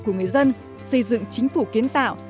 của người dân xây dựng chính phủ kiến tạo